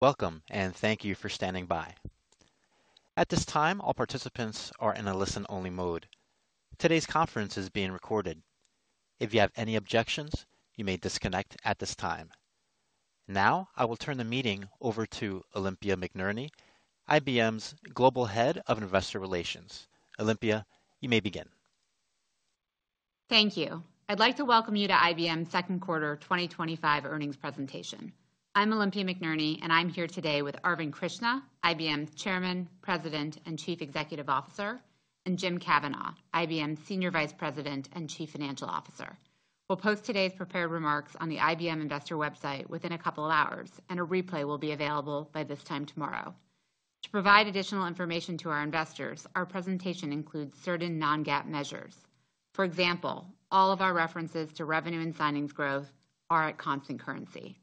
Welcome, and thank you for standing by. At this time, all participants are in a listen-only mode. Today's conference is being recorded. If you have any objections, you may disconnect at this time. Now, I will turn the meeting over to Olympia McNerney, IBM's Global Head of Investor Relations. Olympia, you may begin. Thank you. I'd like to welcome you to IBM's Second Quarter 2025 Earnings Presentation. I'm Olympia McNerney, and I'm here today with Arvind Krishna, IBM's Chairman, President, and Chief Executive Officer, and Jim Kavanaugh, IBM's Senior Vice President and Chief Financial Officer. We'll post today's prepared remarks on the IBM Investor website within a couple of hours, and a replay will be available by this time tomorrow. To provide additional information to our investors, our presentation includes certain non-GAAP measures. For example, all of our references to revenue and signings growth are at constant currency.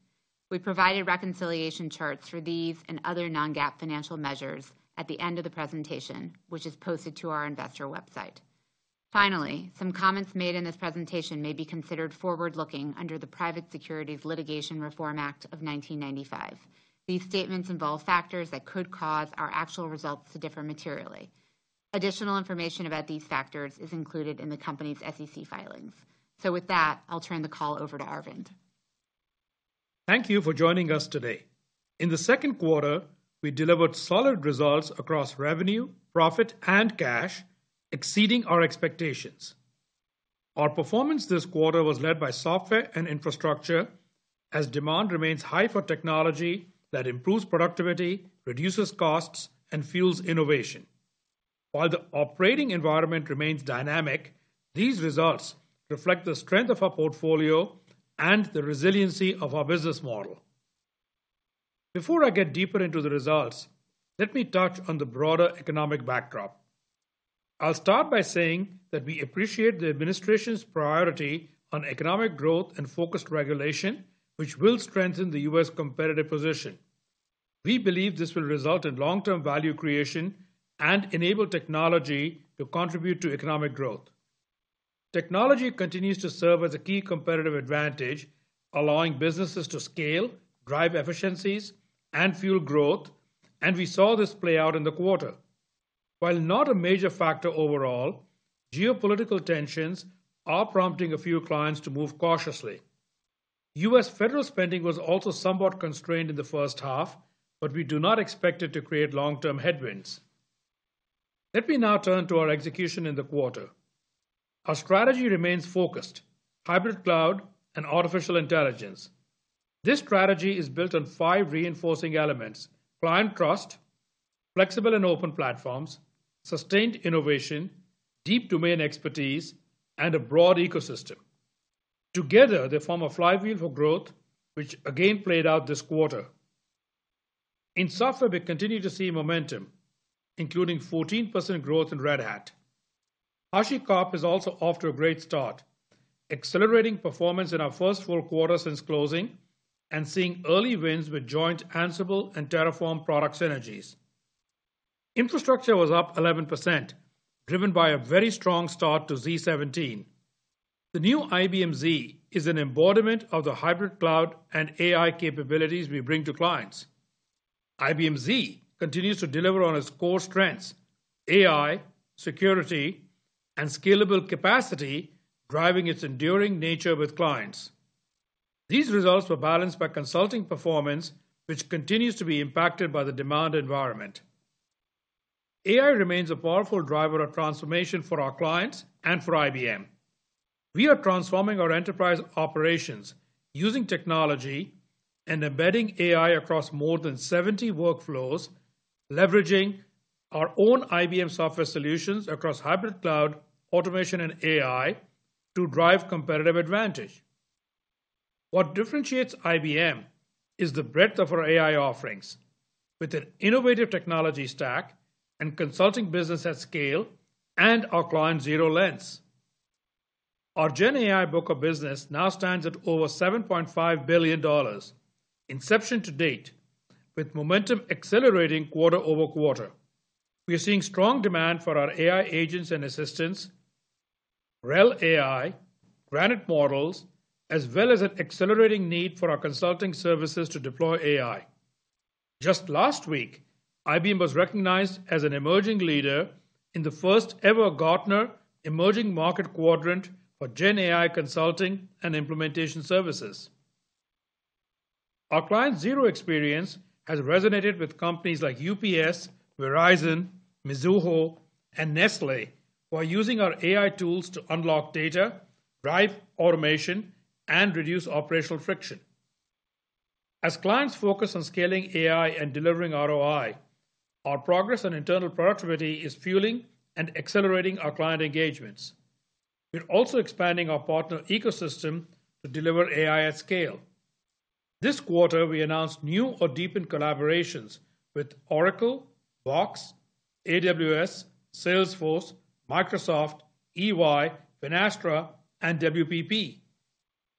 We provided reconciliation charts for these and other non-GAAP financial measures at the end of the presentation, which is posted to our Investor website. Finally, some comments made in this presentation may be considered forward-looking under the Private Securities Litigation Reform Act of 1995. These statements involve factors that could cause our actual results to differ materially. Additional information about these factors is included in the company's SEC filings. With that, I'll turn the call over to Arvind. Thank you for joining us today. In the second quarter, we delivered solid results across revenue, profit, and cash, exceeding our expectations. Our performance this quarter was led by software and infrastructure, as demand remains high for technology that improves productivity, reduces costs, and fuels innovation. While the operating environment remains dynamic, these results reflect the strength of our portfolio and the resiliency of our business model. Before I get deeper into the results, let me touch on the broader economic backdrop. I'll start by saying that we appreciate the administration's priority on economic growth and focused regulation, which will strengthen the U.S. competitive position. We believe this will result in long-term value creation and enable technology to contribute to economic growth. Technology continues to serve as a key competitive advantage, allowing businesses to scale, drive efficiencies, and fuel growth, and we saw this play out in the quarter. While not a major factor overall, geopolitical tensions are prompting a few clients to move cautiously. U.S. federal spending was also somewhat constrained in the first half, but we do not expect it to create long-term headwinds. Let me now turn to our execution in the quarter. Our strategy remains focused: hybrid cloud and artificial intelligence. This strategy is built on five reinforcing elements: client trust, flexible and open platforms, sustained innovation, deep domain expertise, and a broad ecosystem. Together, they form a flywheel for growth, which again played out this quarter. In software, we continue to see momentum, including 14% growth in Red Hat. HashiCorp is also off to a great start, accelerating performance in our first full quarter since closing and seeing early wins with joint Ansible and Terraform product synergies. Infrastructure was up 11%, driven by a very strong start to z17. The new IBM Z is an embodiment of the hybrid cloud and AI capabilities we bring to clients. IBM Z continues to deliver on its core strengths: AI, security, and scalable capacity, driving its enduring nature with clients. These results were balanced by consulting performance, which continues to be impacted by the demand environment. AI remains a powerful driver of transformation for our clients and for IBM. We are transforming our enterprise operations using technology and embedding AI across more than 70 workflows, leveraging our own IBM software solutions across hybrid cloud, automation, and AI to drive competitive advantage. What differentiates IBM is the breadth of our AI offerings, with an innovative technology stack and consulting business at scale, and our client zero lens. Our GenAI book of business now stands at over $7.5 billion inception to date, with momentum accelerating quarter over quarter. We are seeing strong demand for our AI agents and assistants, REL AI, Granite models, as well as an accelerating need for our consulting services to deploy AI. Just last week, IBM was recognized as an emerging leader in the first-ever Gartner Emerging Market Quadrant for GenAI consulting and implementation services. Our client zero experience has resonated with companies like UPS, Verizon, Mizuho, and Nestlé, who are using our AI tools to unlock data, drive automation, and reduce operational friction. As clients focus on scaling AI and delivering ROI, our progress on internal productivity is fueling and accelerating our client engagements. We're also expanding our partner ecosystem to deliver AI at scale. This quarter, we announced new or deepened collaborations with Oracle, Box, AWS, Salesforce, Microsoft, EY, Finastra, and WPP.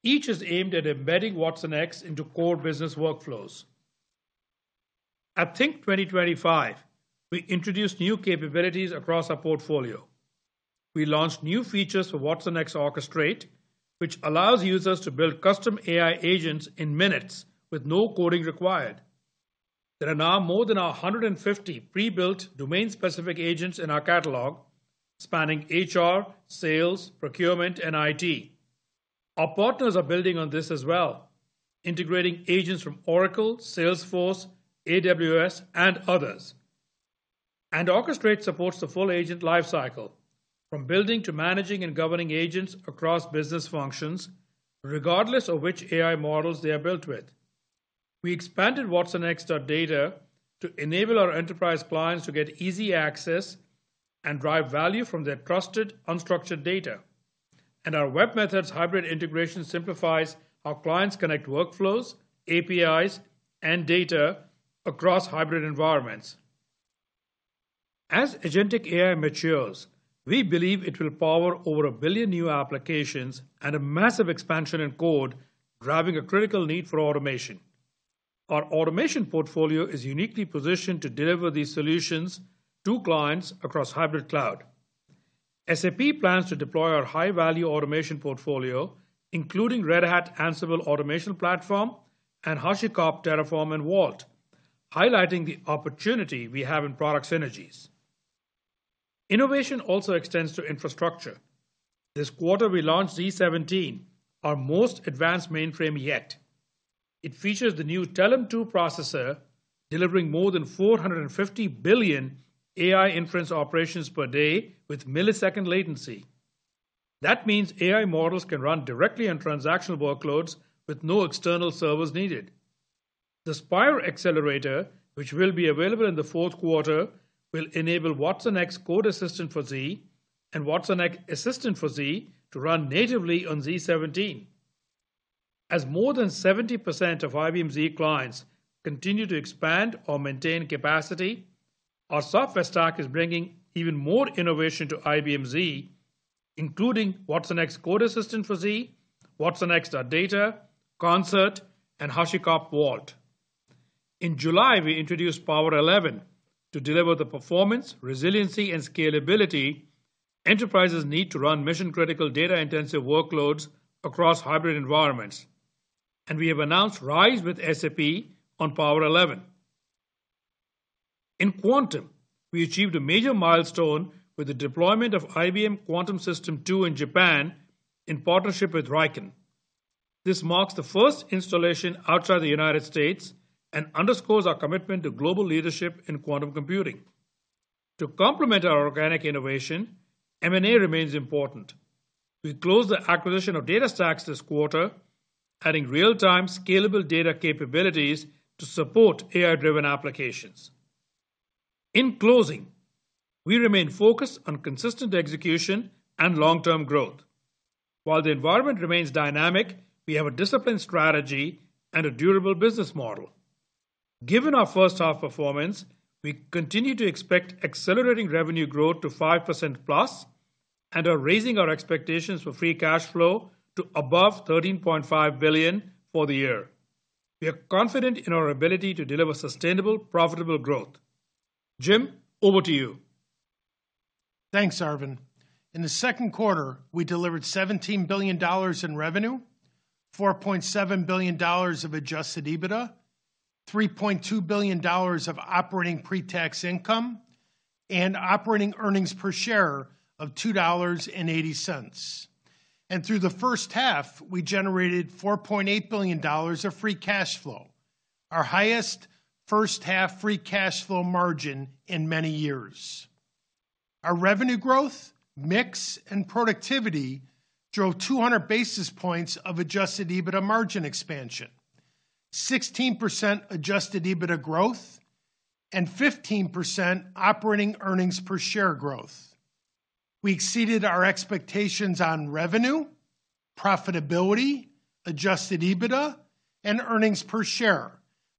Each is aimed at embedding Watsonx into core business workflows. At Think 2025, we introduced new capabilities across our portfolio. We launched new features for Watsonx Orchestrate, which allows users to build custom AI agents in minutes with no coding required. There are now more than 150 pre-built domain-specific agents in our catalog, spanning HR, sales, procurement, and IT. Our partners are building on this as well, integrating agents from Oracle, Salesforce, AWS, and others. Orchestrate supports the full agent lifecycle, from building to managing and governing agents across business functions, regardless of which AI models they are built with. We expanded watsonx.data to enable our enterprise clients to get easy access and drive value from their trusted, unstructured data. Our webMethods hybrid integration simplifies our clients' connect workflows, APIs, and data across hybrid environments. As Agentic AI matures, we believe it will power over a billion new applications and a massive expansion in code, grabbing a critical need for automation. Our automation portfolio is uniquely positioned to deliver these solutions to clients across hybrid cloud. SAP plans to deploy our high-value automation portfolio, including Red Hat Ansible Automation Platform and HashiCorp Terraform and Vault, highlighting the opportunity we have in product synergies. Innovation also extends to infrastructure. This quarter, we launched z17, our most advanced mainframe yet. It features the new Telum II processor, delivering more than 450 billion AI inference operations per day with millisecond latency. That means AI models can run directly on transactional workloads with no external servers needed. The Spire Accelerator, which will be available in the fourth quarter, will enable watsonx Code Assistant for Z and watsonx Assistant for Z to run natively on Z17. As more than 70% of IBM Z clients continue to expand or maintain capacity, our software stack is bringing even more innovation to IBM Z, including watsonx Code Assistant for Z, watsonx.data, Concert, and HashiCorp Vault. In July, we introduced Power11 to deliver the performance, resiliency, and scalability enterprises need to run mission-critical data-intensive workloads across hybrid environments. We have announced RISE with SAP on Power11. In quantum, we achieved a major milestone with the deployment of IBM Quantum System 2 in Japan in partnership with RIKEN. This marks the first installation outside the United States and underscores our commitment to global leadership in quantum computing. To complement our organic innovation, M&A remains important. We closed the acquisition of DataStax this quarter, adding real-time scalable data capabilities to support AI-driven applications. In closing, we remain focused on consistent execution and long-term growth. While the environment remains dynamic, we have a disciplined strategy and a durable business model. Given our first-half performance, we continue to expect accelerating revenue growth to 5%+ and are raising our expectations for free cash flow to above $13.5 billion for the year. We are confident in our ability to deliver sustainable, profitable growth. Jim, over to you. Thanks, Arvind. In the second quarter, we delivered $17 billion in revenue, $4.7 billion of adjusted EBITDA, $3.2 billion of operating pre-tax income, and operating earnings per share of $2.80. Through the first half, we generated $4.8 billion of free cash flow, our highest first-half free cash flow margin in many years. Our revenue growth, mix, and productivity drove 200 basis points of adjusted EBITDA margin expansion, 16% adjusted EBITDA growth, and 15% operating earnings per share growth. We exceeded our expectations on revenue, profitability, adjusted EBITDA, and earnings per share,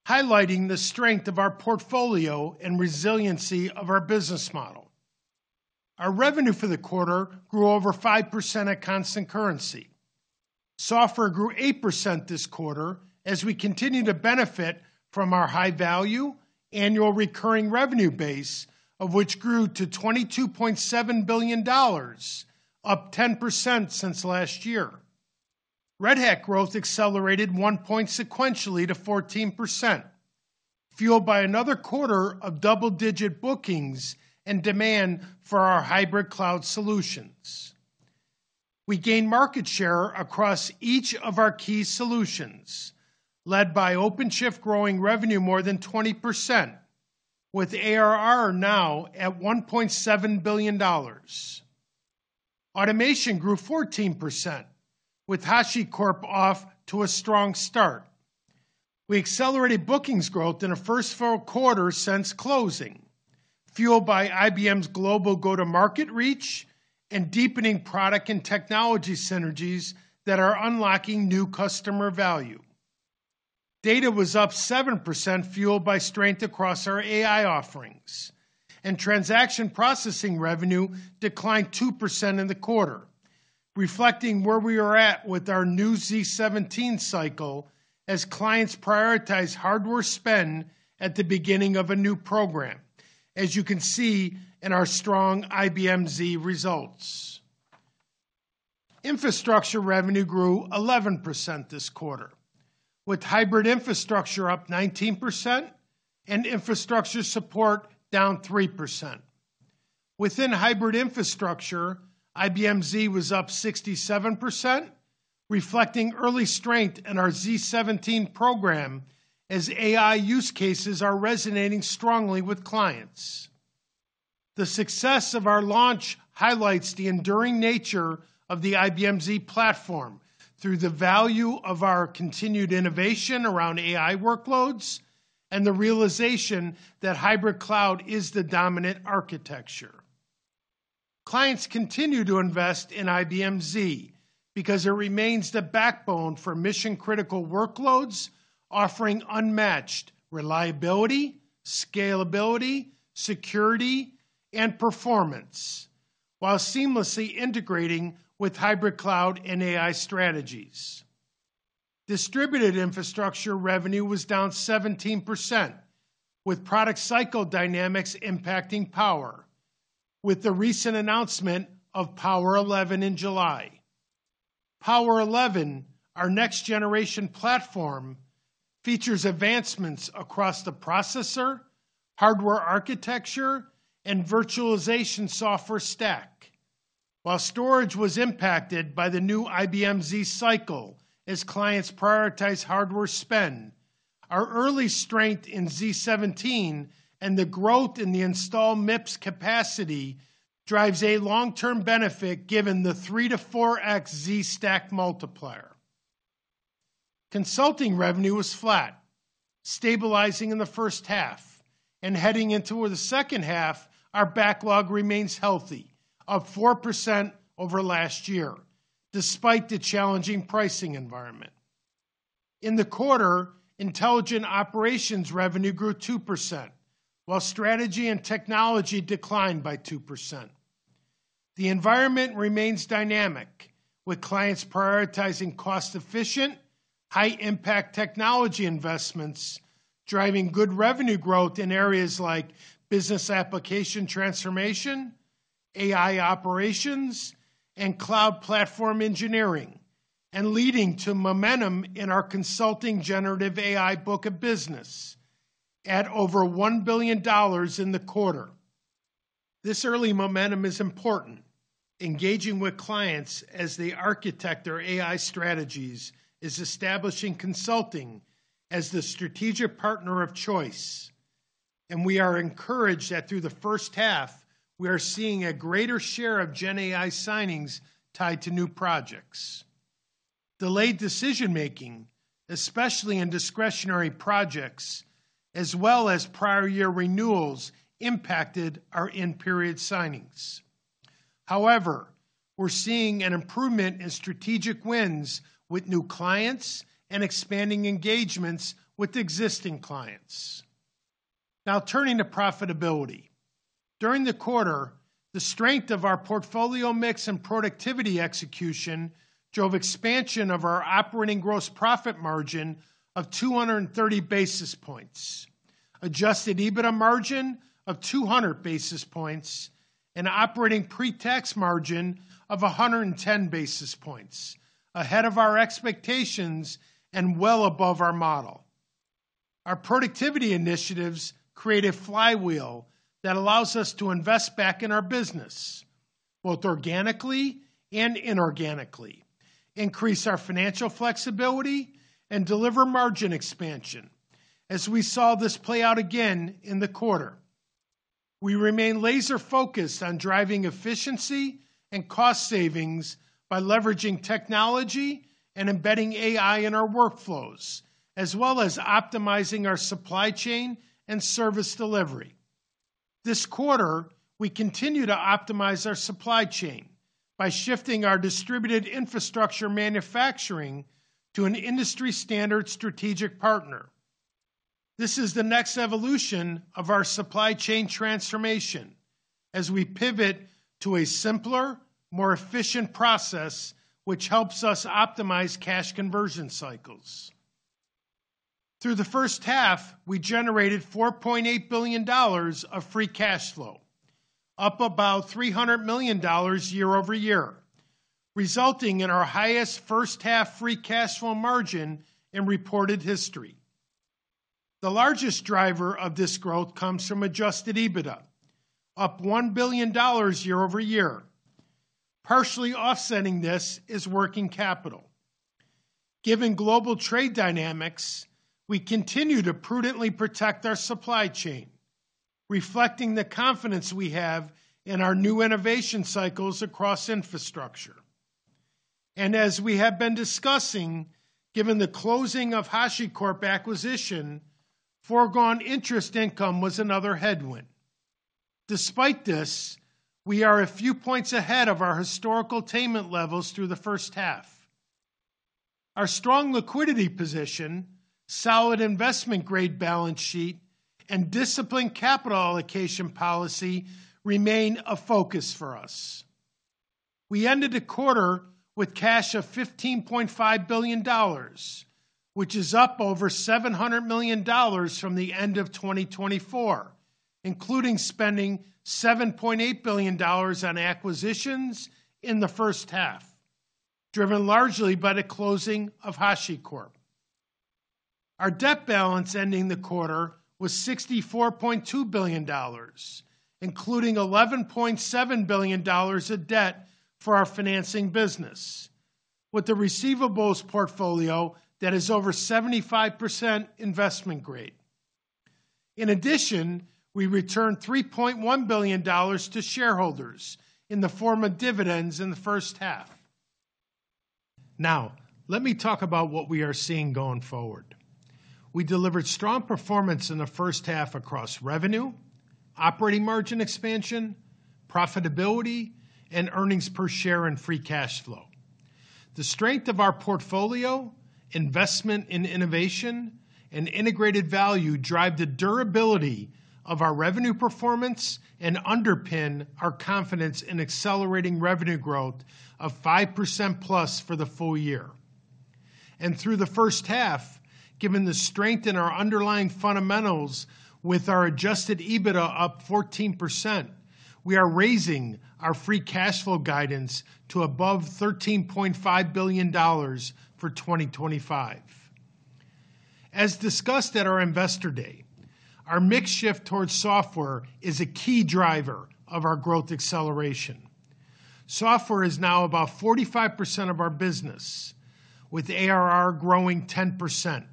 highlighting the strength of our portfolio and resiliency of our business model. Our revenue for the quarter grew over 5% at constant currency. Software grew 8% this quarter as we continue to benefit from our high-value annual recurring revenue base, which grew to $22.7 billion, up 10% since last year. Red Hat growth accelerated 1 point sequentially to 14%, fueled by another quarter of double-digit bookings and demand for our hybrid cloud solutions. We gained market share across each of our key solutions, led by OpenShift growing revenue more than 20%, with ARR now at $1.7 billion. Automation grew 14%, with HashiCorp off to a strong start. We accelerated bookings growth in the first full quarter since closing, fueled by IBM's global go-to-market reach and deepening product and technology synergies that are unlocking new customer value. Data was up 7%, fueled by strength across our AI offerings. Transaction processing revenue declined 2% in the quarter, reflecting where we are at with our new z17 cycle as clients prioritize hardware spend at the beginning of a new program, as you can see in our strong IBM Z results. Infrastructure revenue grew 11% this quarter, with hybrid infrastructure up 19% and infrastructure support down 3%. Within hybrid infrastructure, IBM Z was 67%, reflecting early strength in our z17 program as AI use cases are resonating strongly with clients. The success of our launch highlights the enduring nature of the IBM Z platform through the value of our continued innovation around AI workloads and the realization that hybrid cloud is the dominant architecture. Clients continue to invest in IBM Z because it remains the backbone for mission-critical workloads, offering unmatched reliability, scalability, security, and performance while seamlessly integrating with hybrid cloud and AI strategies. Distributed infrastructure revenue was down 17%, with product cycle dynamics impacting Power with the recent announcement of Power11 in July. Power11, our next-generation platform, features advancements across the processor, hardware architecture, and virtualization software stack, while storage was impacted by the new IBM Z cycle as clients prioritize hardware spend. Our early strength in z17 and the growth in the install MIPS capacity drives a long-term benefit given the 3x-4x Z stack multiplier. Consulting revenue was flat, stabilizing in the first half, and heading into the second half, our backlog remains healthy, up 4% over last year, despite the challenging pricing environment. In the quarter, intelligent operations revenue grew 2%, while strategy and technology declined by 2%. The environment remains dynamic, with clients prioritizing cost-efficient, high-impact technology investments, driving good revenue growth in areas like business application transformation, AI operations, and cloud platform engineering, and leading to momentum in our consulting generative AI book of business at over $1 billion in the quarter. This early momentum is important. Engaging with clients as they architect their AI strategies is establishing consulting as the strategic partner of choice. We are encouraged that through the first half, we are seeing a greater share of GenAI signings tied to new projects. Delayed decision-making, especially in discretionary projects, as well as prior year renewals, impacted our end-period signings. However, we're seeing an improvement in strategic wins with new clients and expanding engagements with existing clients. Now, turning to profitability. During the quarter, the strength of our portfolio mix and productivity execution drove expansion of our operating gross profit margin of 230 basis points, adjusted EBITDA margin of 200 basis points, and operating pre-tax margin of 110 basis points, ahead of our expectations and well above our model. Our productivity initiatives create a flywheel that allows us to invest back in our business, both organically and inorganically, increase our financial flexibility, and deliver margin expansion, as we saw this play out again in the quarter. We remain laser-focused on driving efficiency and cost savings by leveraging technology and embedding AI in our workflows, as well as optimizing our supply chain and service delivery. This quarter, we continue to optimize our supply chain by shifting our distributed infrastructure manufacturing to an industry-standard strategic partner. This is the next evolution of our supply chain transformation as we pivot to a simpler, more efficient process, which helps us optimize cash conversion cycles. Through the first half, we generated $4.8 billion of free cash flow, up about $300 million year over year, resulting in our highest first-half free cash flow margin in reported history. The largest driver of this growth comes from adjusted EBITDA, up $1 billion year over year. Partially offsetting this is working capital. Given global trade dynamics, we continue to prudently protect our supply chain, reflecting the confidence we have in our new innovation cycles across infrastructure. As we have been discussing, given the closing of HashiCorp's acquisition, foregone interest income was another headwind. Despite this, we are a few points ahead of our historical attainment levels through the first half. Our strong liquidity position, solid investment-grade balance sheet, and disciplined capital allocation policy remain a focus for us. We ended the quarter with cash of $15.5 billion, which is up over $700 million from the end of 2023, including spending $7.8 billion on acquisitions in the first half, driven largely by the closing of HashiCorp. Our debt balance ending the quarter was $64.2 billion, including $11.7 billion of debt for our financing business, with the receivables portfolio that is over 75% investment-grade. In addition, we returned $3.1 billion to shareholders in the form of dividends in the first half. Now, let me talk about what we are seeing going forward. We delivered strong performance in the first half across revenue, operating margin expansion, profitability, and earnings per share and free cash flow. The strength of our portfolio, investment in innovation, and integrated value drive the durability of our revenue performance and underpin our confidence in accelerating revenue growth of 5%+ for the full year. Through the first half, given the strength in our underlying fundamentals with our adjusted EBITDA up 14%, we are raising our free cash flow guidance to above $13.5 billion for 2025. As discussed at our investor day, our mix shift towards software is a key driver of our growth acceleration. Software is now about 45% of our business, with ARR growing 10%.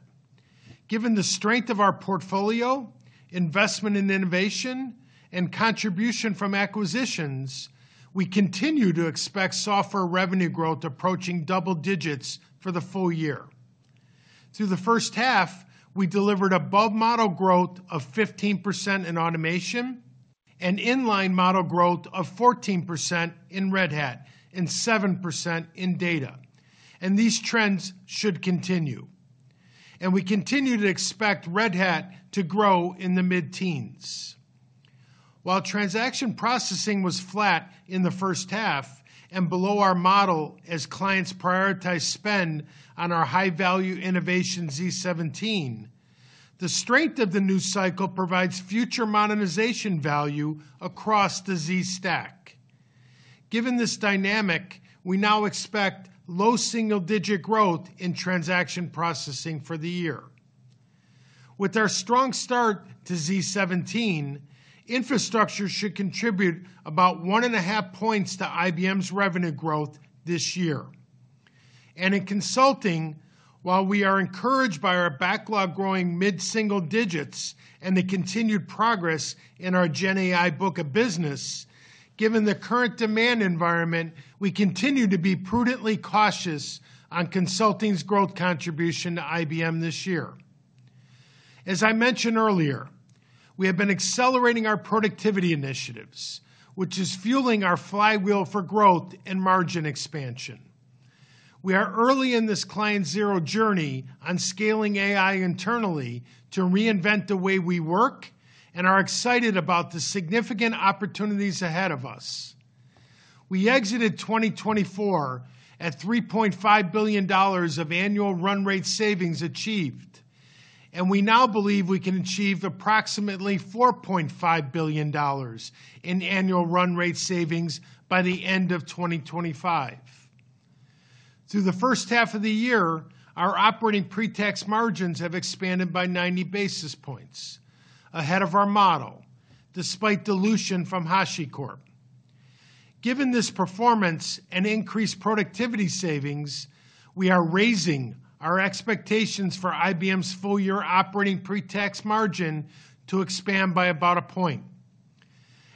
Given the strength of our portfolio, investment in innovation, and contribution from acquisitions, we continue to expect software revenue growth approaching double digits for the full year. Through the first half, we delivered above-model growth of 15% in automation and inline model growth of 14% in Red Hat and 7% in data. These trends should continue. We continue to expect Red Hat to grow in the mid-teens. While transaction processing was flat in the first half and below our model as clients prioritize spend on our high-value innovation z17, the strength of the new cycle provides future modernization value across the Z stack. Given this dynamic, we now expect low single-digit growth in transaction processing for the year. With our strong start to z17, infrastructure should contribute about one and a half points to IBM's revenue growth this year. In consulting, while we are encouraged by our backlog growing mid-single digits and the continued progress in our GenAI book of business, given the current demand environment, we continue to be prudently cautious on consulting's growth contribution to IBM this year. As I mentioned earlier, we have been accelerating our productivity initiatives, which is fueling our flywheel for growth and margin expansion. We are early in this client zero journey on scaling AI internally to reinvent the way we work and are excited about the significant opportunities ahead of us. We exited 2024 at $3.5 billion of annual run rate savings achieved, and we now believe we can achieve approximately $4.5 billion in annual run rate savings by the end of 2025. Through the first half of the year, our operating pre-tax margins have expanded by 90 basis points ahead of our model, despite dilution from HashiCorp. Given this performance and increased productivity savings, we are raising our expectations for IBM's full-year operating pre-tax margin to expand by about a point.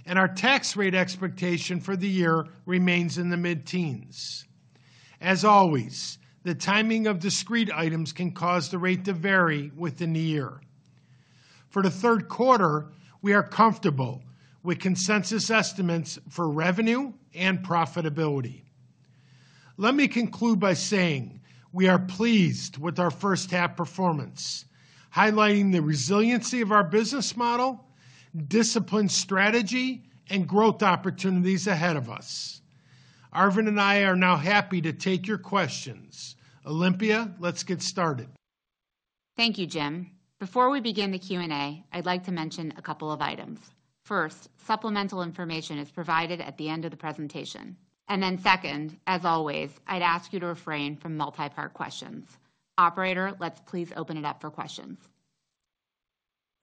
Our tax rate expectation for the year remains in the mid-teens. As always, the timing of discrete items can cause the rate to vary within the year. For the third quarter, we are comfortable with consensus estimates for revenue and profitability. Let me conclude by saying we are pleased with our first-half performance, highlighting the resiliency of our business model, disciplined strategy, and growth opportunities ahead of us. Arvind and I are now happy to take your questions. Olympia, let's get started. Thank you, Jim. Before we begin the Q&A, I'd like to mention a couple of items. First, supplemental information is provided at the end of the presentation. Second, as always, I'd ask you to refrain from multi-part questions. Operator, let's please open it up for questions.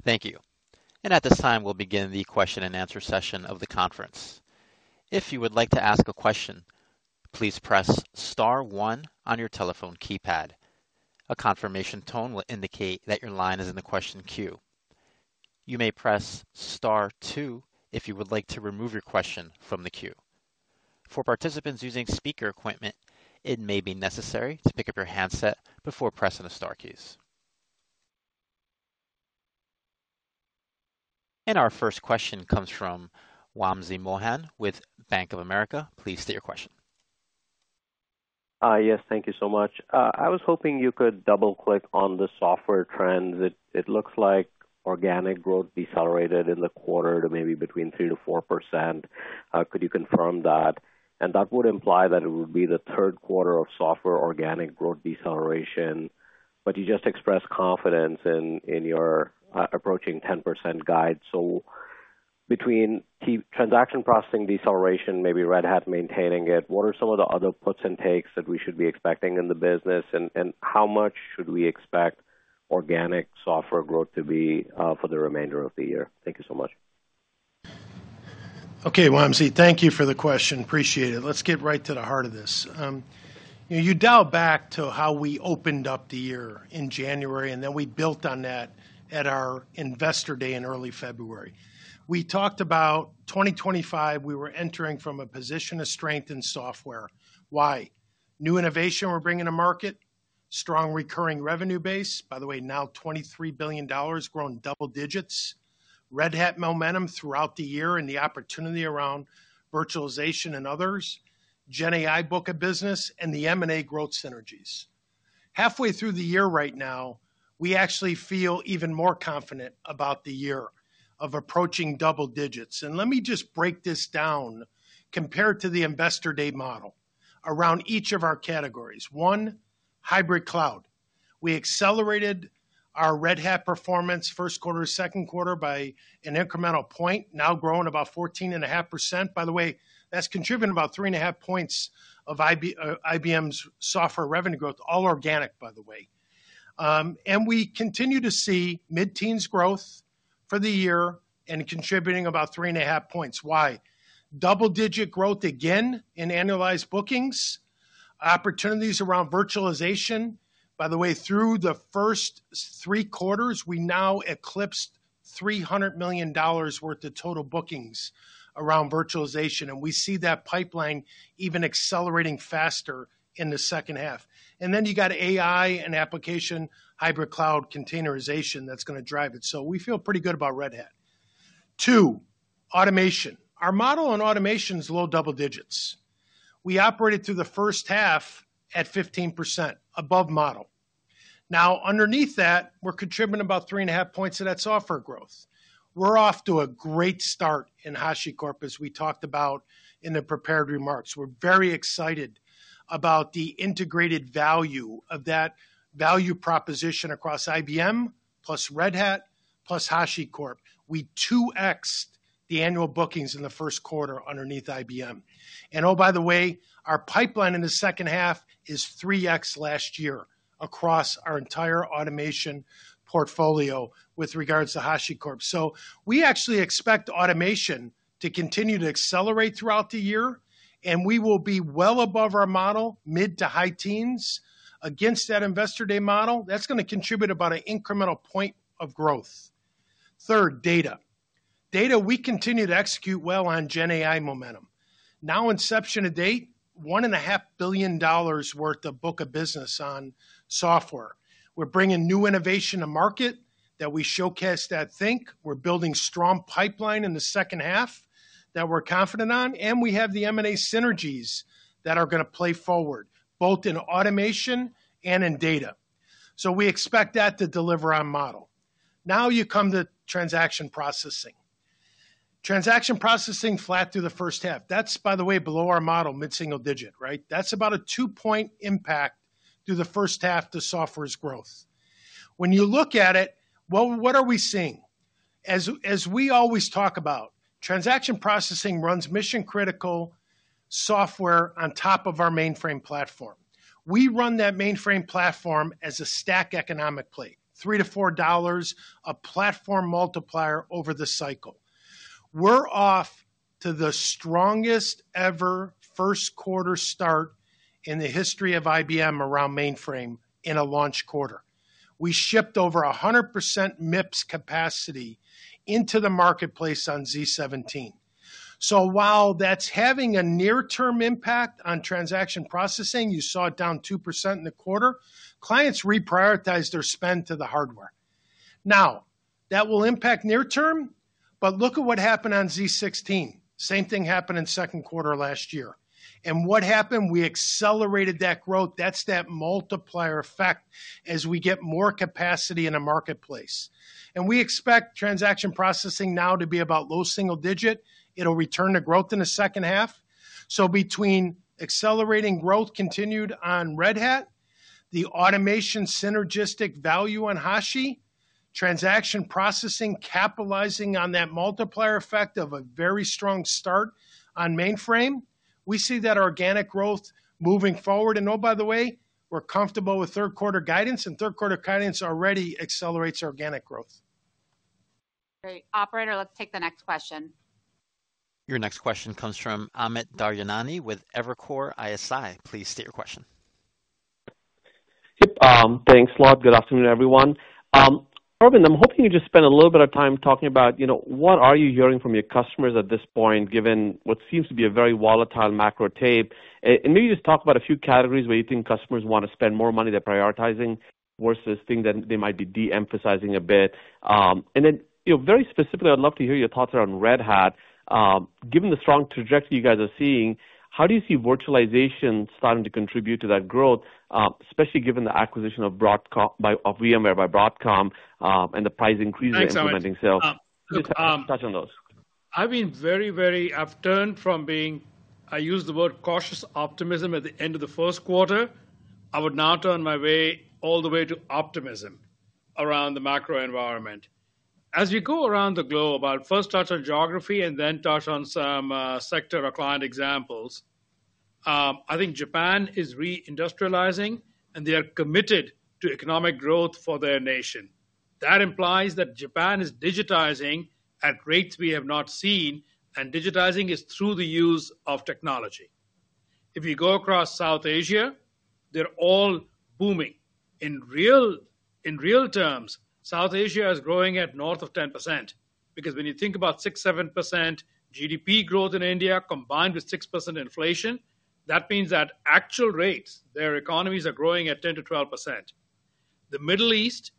Thank you. At this time, we'll begin the question and answer session of the conference. If you would like to ask a question, please press star one on your telephone keypad. A confirmation tone will indicate that your line is in the question queue. You may press star two if you would like to remove your question from the queue. For participants using speaker equipment, it may be necessary to pick up your handset before pressing the star keys. Our first question comes from Wamsi Mohan with Bank of America. Please state your question. Yes, thank you so much. I was hoping you could double-click on the software trends. It looks like organic growth decelerated in the quarter to maybe between 3%-4%. Could you confirm that? That would imply that it would be the third quarter of software organic growth deceleration. You just expressed confidence in your approaching 10% guide. Between transaction processing deceleration, maybe Red Hat maintaining it, what are some of the other puts and takes that we should be expecting in the business? How much should we expect organic software growth to be for the remainder of the year? Thank you so much. Okay, Wamsi, thank you for the question. Appreciate it. Let's get right to the heart of this. You dial back to how we opened up the year in January, and then we built on that at our investor day in early February. We talked about 2025. We were entering from a position of strength in software. Why? New innovation we're bringing to market, strong recurring revenue base. By the way, now $23 billion grown double digits. Red Hat momentum throughout the year and the opportunity around virtualization and others, GenAI book of business, and the M&A growth synergies. Halfway through the year right now, we actually feel even more confident about the year of approaching double digits. Let me just break this down compared to the investor day model around each of our categories. One, hybrid cloud. We accelerated our Red Hat performance first quarter, second quarter by an incremental point, now growing about 14.5%. By the way, that's contributing about 3.5 points of IBM's software revenue growth, all organic, by the way. We continue to see mid-teens growth for the year and contributing about 3.5 points. Why? Double-digit growth again in annualized bookings, opportunities around virtualization. By the way, through the first three quarters, we now eclipsed $300 million worth of total bookings around virtualization. We see that pipeline even accelerating faster in the second half. You got AI and application hybrid cloud containerization that's going to drive it. We feel pretty good about Red Hat. Two, automation. Our model on automation is low double digits. We operated through the first half at 15% above model. Now, underneath that, we're contributing about 3.5 points of that software growth. We're off to a great start in HashiCorp, as we talked about in the prepared remarks. We're very excited about the integrated value of that value proposition across IBM plus Red Hat plus HashiCorp. We two-xed the annual bookings in the first quarter underneath IBM. Oh, by the way, our pipeline in the second half is 3x last year across our entire automation portfolio with regards to HashiCorp. We actually expect automation to continue to accelerate throughout the year, and we will be well above our model, mid to high teens. Against that investor day model, that's going to contribute about an incremental point of growth. Third, data. Data, we continue to execute well on GenAI momentum. Now, inception to date, $1.5 billion worth of book of business on software. We're bringing new innovation to market that we showcase at Think. We're building strong pipeline in the second half that we're confident on, and we have the M&A synergies that are going to play forward both in automation and in data. We expect that to deliver our model. Now you come to transaction processing. Transaction processing flat through the first half. That's, by the way, below our model, mid-single digit, right? That's about a two-point impact through the first half to software's growth. When you look at it, what are we seeing? As we always talk about, transaction processing runs mission-critical software on top of our mainframe platform. We run that mainframe platform as a stack economic plate, $3-$4 a platform multiplier over the cycle. We're off to the strongest ever first quarter start in the history of IBM around mainframe in a launch quarter. We shipped over 100% MIPS capacity into the marketplace on z17. While that's having a near-term impact on transaction processing, you saw it down 2% in the quarter, clients reprioritized their spend to the hardware. That will impact near-term, but look at what happened on z16. Same thing happened in second quarter last year. What happened? We accelerated that growth. That's that multiplier effect as we get more capacity in a marketplace. We expect transaction processing now to be about low single digit. It'll return to growth in the second half. Between accelerating growth continued on Red Hat, the automation synergistic value on Hashi, transaction processing capitalizing on that multiplier effect of a very strong start on mainframe, we see that organic growth moving forward. Oh, by the way, we're comfortable with third quarter guidance, and third quarter guidance already accelerates organic growth. Great. Operator, let's take the next question. Your next question comes from Amit Daryanani with Evercore ISI. Please state your question. Thanks, love. Good afternoon, everyone. Arvind, I'm hoping you just spend a little bit of time talking about, you know, what are you hearing from your customers at this point, given what seems to be a very volatile macro tape? Maybe just talk about a few categories where you think customers want to spend more money they're prioritizing versus things that they might be de-emphasizing a bit. You know, very specifically, I'd love to hear your thoughts around Red Hat. Given the strong trajectory you guys are seeing, how do you see virtualization starting to contribute to that growth, especially given the acquisition of VMware by Broadcom and the price increase in implementing sales? Touch on those. I've been very, very—I’ve turned from being—I used the word cautious optimism at the end of the first quarter. I would now turn my way all the way to optimism around the macro environment. As you go around the globe, I'll first touch on geography and then touch on some sector or client examples. I think Japan is re-industrializing, and they are committed to economic growth for their nation. That implies that Japan is digitizing at rates we have not seen, and digitizing is through the use of technology. If you go across South Asia, they're all booming. In real terms, South Asia is growing at north of 10% because when you think about 6%, 7% GDP growth in India combined with 6% inflation, that means at actual rates, their economies are growing at 10%-12%. The Middle East,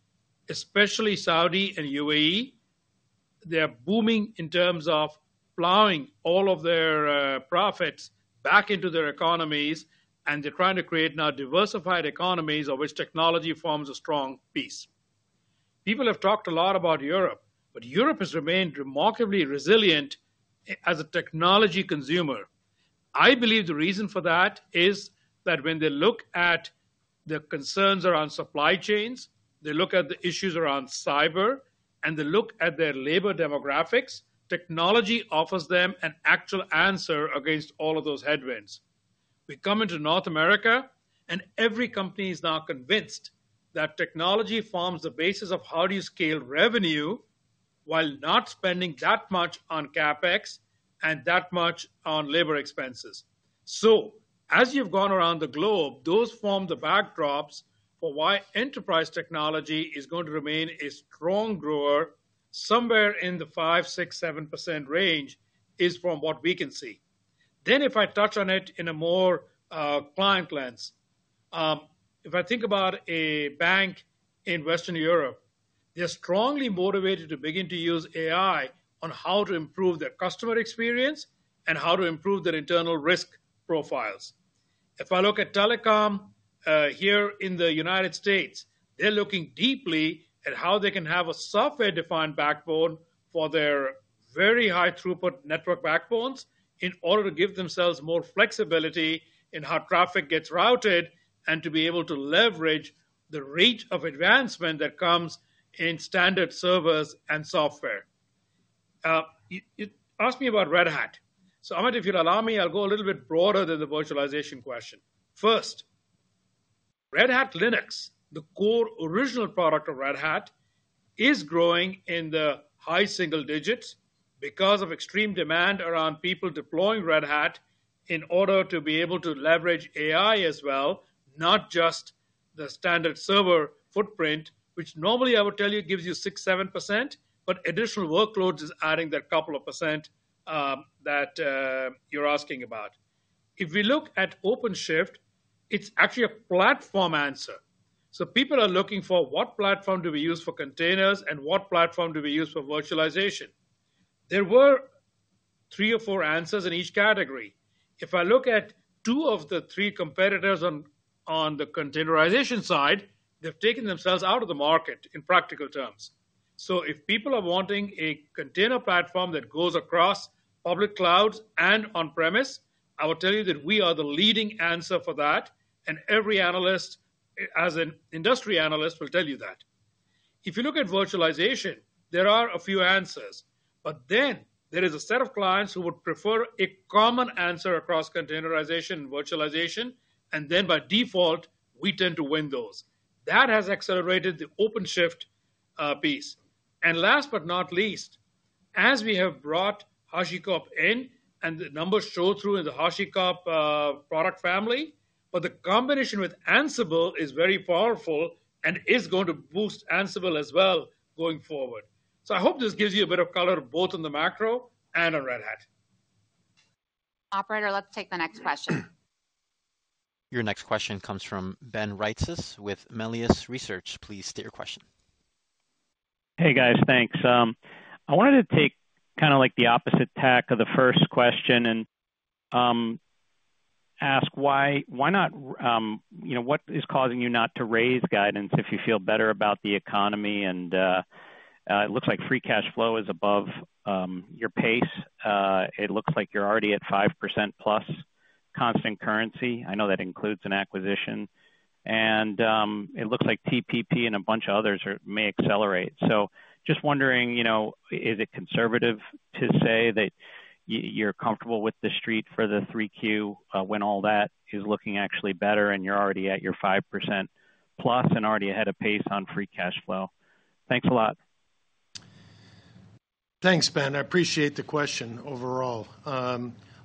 especially Saudi and UAE, they are booming in terms of plowing all of their profits back into their economies, and they're trying to create now diversified economies of which technology forms a strong piece. People have talked a lot about Europe, but Europe has remained remarkably resilient as a technology consumer. I believe the reason for that is that when they look at the concerns around supply chains, they look at the issues around cyber, and they look at their labor demographics, technology offers them an actual answer against all of those headwinds. We come into North America, and every company is now convinced that technology forms the basis of how do you scale revenue while not spending that much on CapEx and that much on labor expenses. As you've gone around the globe, those form the backdrops for why enterprise technology is going to remain a strong grower somewhere in the 5%-6%-7% range is from what we can see. If I touch on it in a more client lens, if I think about a bank in Western Europe, they're strongly motivated to begin to use AI on how to improve their customer experience and how to improve their internal risk profiles. If I look at telecom here in the United States, they're looking deeply at how they can have a software-defined backbone for their very high-throughput network backbones in order to give themselves more flexibility in how traffic gets routed and to be able to leverage the rate of advancement that comes in standard servers and software. You asked me about Red Hat. Amit, if you'd allow me, I'll go a little bit broader than the virtualization question. First, Red Hat Linux, the core original product of Red Hat, is growing in the high single digits because of extreme demand around people deploying Red Hat in order to be able to leverage AI as well, not just the standard server footprint, which normally I would tell you gives you 6%-7%, but additional workloads is adding that couple of percent that you're asking about. If we look at OpenShift, it's actually a platform answer. People are looking for what platform do we use for containers and what platform do we use for virtualization. There were three or four answers in each category. If I look at two of the three competitors on the containerization side, they've taken themselves out of the market in practical terms. If people are wanting a container platform that goes across public clouds and on-premise, I will tell you that we are the leading answer for that, and every analyst, as an industry analyst, will tell you that. If you look at virtualization, there are a few answers, but then there is a set of clients who would prefer a common answer across containerization and virtualization, and then by default, we tend to win those. That has accelerated the OpenShift piece. Last but not least, as we have brought HashiCorp in and the numbers show through in the HashiCorp product family, the combination with Ansible is very powerful and is going to boost Ansible as well going forward. I hope this gives you a bit of color both in the macro and on Red Hat. Operator, let's take the next question. Your next question comes from Ben Reitzes with Melius Research. Please state your question. Hey, guys, thanks. I wanted to take kind of like the opposite tack of the first question and ask why not, you know, what is causing you not to raise guidance if you feel better about the economy? It looks like free cash flow is above your pace. It looks like you are already at 5%+ constant currency. I know that includes an acquisition. It looks like TPP and a bunch of others may accelerate. Just wondering, you know, is it conservative to say that you are comfortable with the street for the 3Q when all that is looking actually better and you are already at your 5%+ and already ahead of pace on free cash flow? Thanks a lot. Thanks, Ben. I appreciate the question overall.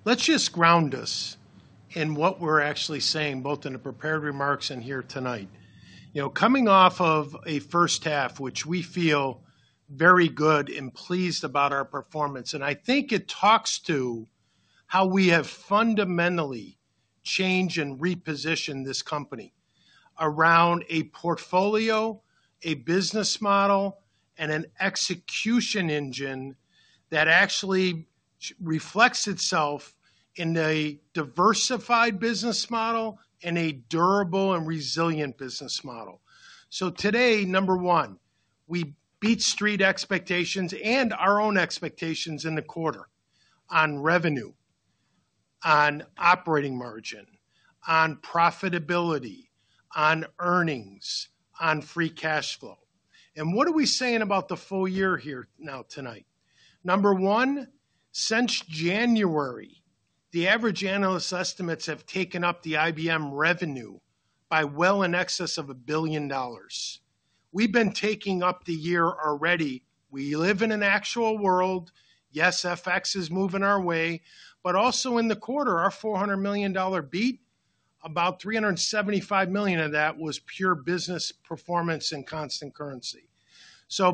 Let's just ground us in what we're actually saying both in the prepared remarks and here tonight. You know, coming off of a first half, which we feel very good and pleased about our performance, and I think it talks to how we have fundamentally changed and repositioned this company around a portfolio, a business model, and an execution engine that actually reflects itself in a diversified business model and a durable and resilient business model. Today, number one, we beat street expectations and our own expectations in the quarter on revenue, on operating margin, on profitability, on earnings, on free cash flow. What are we saying about the full year here now tonight? Number one, since January, the average analyst estimates have taken up the IBM revenue by well in excess of $1 billion. We've been taking up the year already. We live in an actual world. Yes, FX is moving our way, but also in the quarter, our $400 million beat, about $375 million of that was pure business performance and constant currency.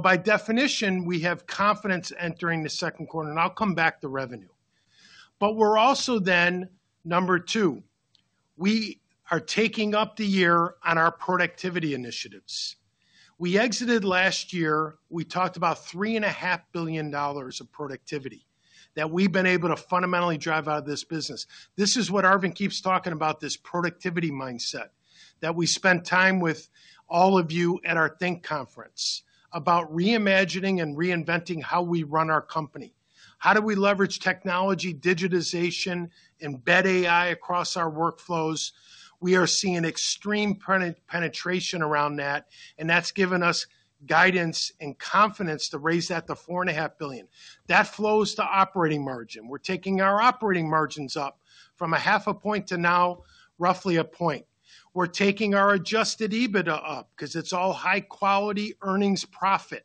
By definition, we have confidence entering the second quarter, and I'll come back to revenue. We are also then, number two, we are taking up the year on our productivity initiatives. We exited last year. We talked about $3.5 billion of productivity that we've been able to fundamentally drive out of this business. This is what Arvind keeps talking about, this productivity mindset that we spent time with all of you at our Think conference about reimagining and reinventing how we run our company. How do we leverage technology, digitization, embed AI across our workflows? We are seeing extreme penetration around that, and that's given us guidance and confidence to raise that to $4.5 billion. That flows to operating margin. We're taking our operating margins up from 1/2 point to now roughly a point. We're taking our adjusted EBITDA up because it's all high-quality earnings profit.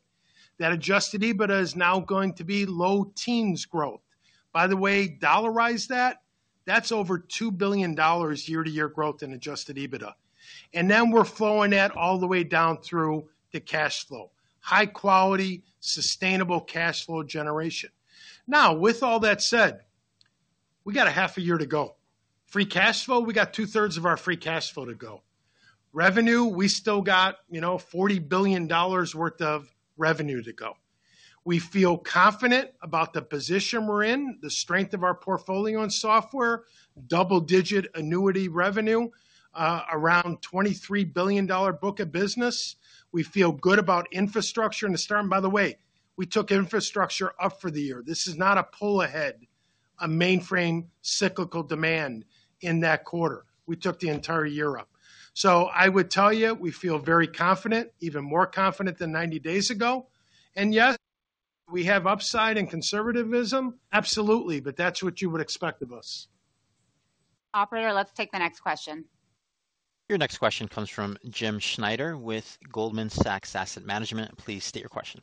That adjusted EBITDA is now going to be low teens growth. By the way, dollarize that. That's over $2 billion year-to-year growth in adjusted EBITDA. Then we're flowing that all the way down through the cash flow. High-quality, sustainable cash flow generation. Now, with all that said, we got half a year to go. Free cash flow, we got two-thirds of our free cash flow to go. Revenue, we still got, you know, $40 billion worth of revenue to go. We feel confident about the position we're in, the strength of our portfolio and software, double-digit annuity revenue, around $23 billion book of business. We feel good about infrastructure. To start, by the way, we took infrastructure up for the year. This is not a pull ahead, a mainframe cyclical demand in that quarter. We took the entire year up. I would tell you, we feel very confident, even more confident than 90 days ago. Yes, we have upside and conservatism. Absolutely, but that's what you would expect of us. Operator, let's take the next question. Your next question comes from Jim Schneider with Goldman Sachs Asset Management. Please state your question.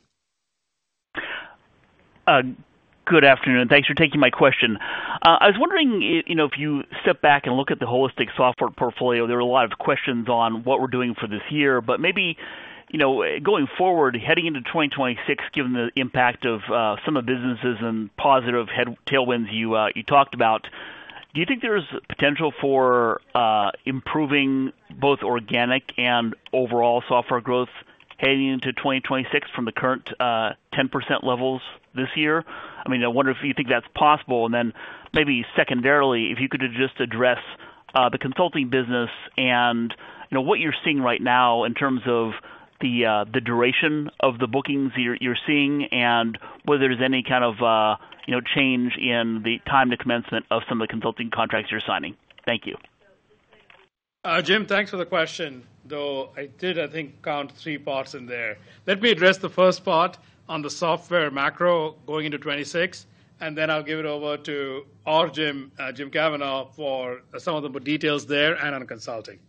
Good afternoon. Thanks for taking my question. I was wondering, you know, if you step back and look at the holistic software portfolio, there are a lot of questions on what we're doing for this year, but maybe, you know, going forward, heading into 2026, given the impact of some of the businesses and positive tailwinds you talked about, do you think there's potential for improving both organic and overall software growth heading into 2026 from the current 10% levels this year? I mean, I wonder if you think that's possible. And then maybe secondarily, if you could just address the consulting business and, you know, what you're seeing right now in terms of the duration of the bookings you're seeing and whether there's any kind of, you know, change in the time to commencement of some of the consulting contracts you're signing. Thank you. Jim, thanks for the question, though I did, I think, count three parts in there. Let me address the first part on the software macro going into 2026, and then I'll give it over to our Jim, Jim Kavanaugh, for some of the more details there and on consulting.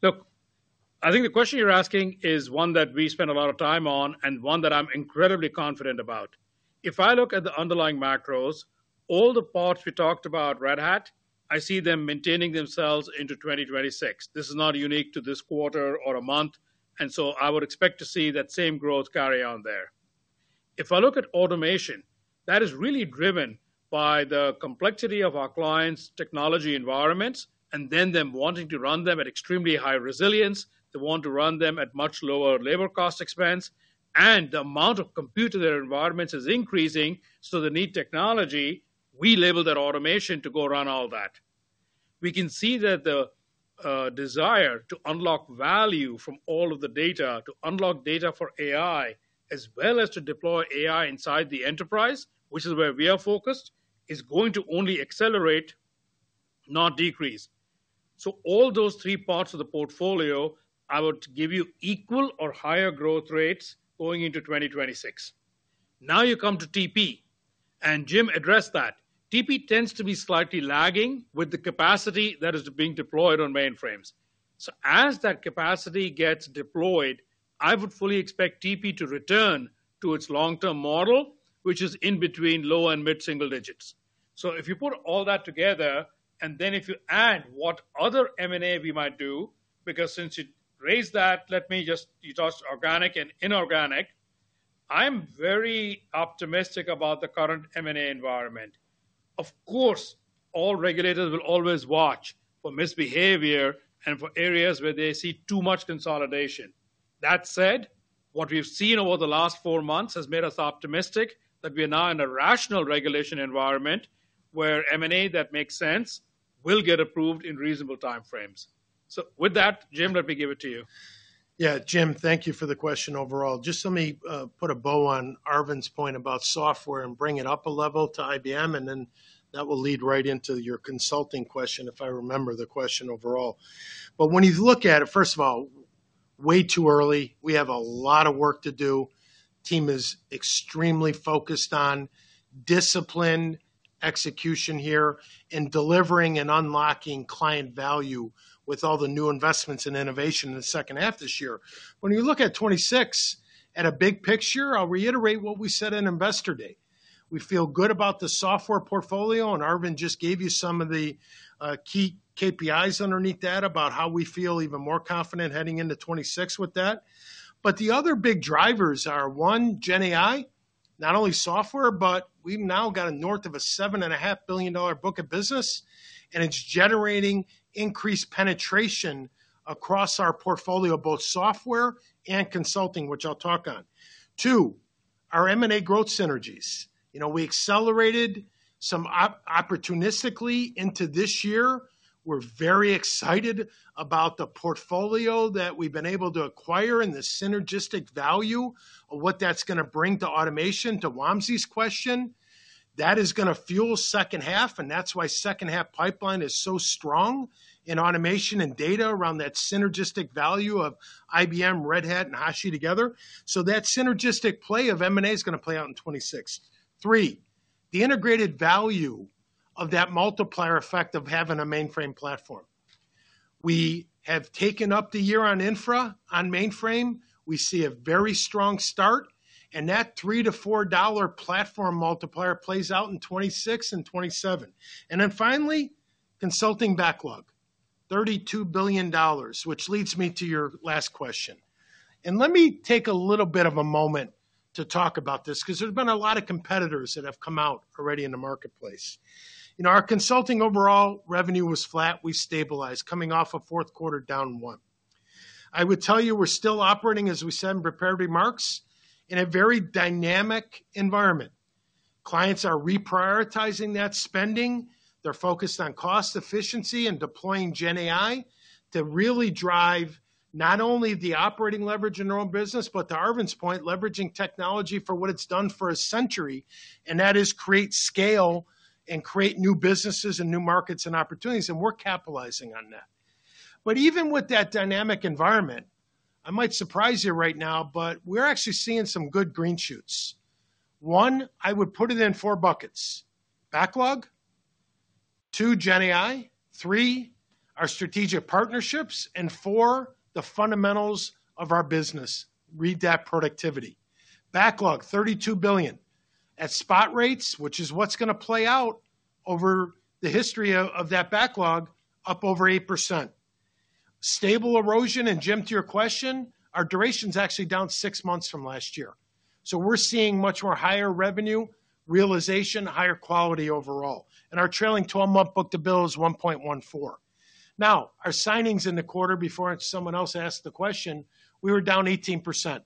Look, I think the question you're asking is one that we spend a lot of time on and one that I'm incredibly confident about. If I look at the underlying macros, all the parts we talked about Red Hat, I see them maintaining themselves into 2026. This is not unique to this quarter or a month, and so I would expect to see that same growth carry on there. If I look at automation, that is really driven by the complexity of our clients' technology environments and then them wanting to run them at extremely high resilience. They want to run them at much lower labor cost expense, and the amount of computer environments is increasing, so they need technology. We label that automation to go run all that. We can see that the desire to unlock value from all of the data, to unlock data for AI, as well as to deploy AI inside the enterprise, which is where we are focused, is going to only accelerate, not decrease. All those three parts of the portfolio, I would give you equal or higher growth rates going into 2026. Now you come to TP, and Jim addressed that. TP tends to be slightly lagging with the capacity that is being deployed on mainframes. As that capacity gets deployed, I would fully expect TP to return to its long-term model, which is in between low and mid-single digits. If you put all that together, and then if you add what other M&A we might do, because since you raised that, let me just, you touched organic and inorganic, I'm very optimistic about the current M&A environment. Of course, all regulators will always watch for misbehavior and for areas where they see too much consolidation. That said, what we've seen over the last four months has made us optimistic that we are now in a rational regulation environment where M&A that makes sense will get approved in reasonable timeframes. With that, Jim, let me give it to you. Yeah, Jim, thank you for the question overall. Just let me put a bow on Arvind's point about software and bring it up a level to IBM, and then that will lead right into your consulting question if I remember the question overall. When you look at it, first of all, way too early. We have a lot of work to do. Team is extremely focused on discipline, execution here, and delivering and unlocking client value with all the new investments and innovation in the second half this year. When you look at 2026, at a big picture, I'll reiterate what we said on investor day. We feel good about the software portfolio, and Arvind just gave you some of the key KPIs underneath that about how we feel even more confident heading into 2026 with that. The other big drivers are, one, GenAI, not only software, but we've now got a north of a $7.5 billion book of business, and it's generating increased penetration across our portfolio, both software and consulting, which I'll talk on. Two, our M&A growth synergies. You know, we accelerated some opportunistically into this year. We're very excited about the portfolio that we've been able to acquire and the synergistic value of what that's going to bring to automation. To Wamsi's question, that is going to fuel second half, and that's why second half pipeline is so strong in automation and data around that synergistic value of IBM, Red Hat, and Hashi together. That synergistic play of M&A is going to play out in 2026. Three, the integrated value of that multiplier effect of having a mainframe platform. We have taken up the year on infra, on mainframe. We see a very strong start, and that $3-$4 platform multiplier plays out in 2026 and 2027. Finally, consulting backlog, $32 billion, which leads me to your last question. Let me take a little bit of a moment to talk about this because there's been a lot of competitors that have come out already in the marketplace. You know, our consulting overall revenue was flat. We stabilized coming off a fourth quarter down one. I would tell you we're still operating, as we said in prepared remarks, in a very dynamic environment. Clients are reprioritizing that spending. They're focused on cost efficiency and deploying GenAI to really drive not only the operating leverage in our own business, but to Arvind's point, leveraging technology for what it's done for a century, and that is create scale and create new businesses and new markets and opportunities, and we're capitalizing on that. Even with that dynamic environment, I might surprise you right now, but we're actually seeing some good green shoots. One, I would put it in four buckets. Backlog. Two, GenAI. Three, our strategic partnerships. Four, the fundamentals of our business, read that productivity. Backlog, $32 billion at spot rates, which is what is going to play out over the history of that backlog, up over 8%. Stable erosion. Jim, to your question, our duration is actually down six months from last year. We are seeing much more higher revenue realization, higher quality overall. Our trailing 12-month book to bill is 1.14. Our signings in the quarter, before someone else asks the question, we were down 18%.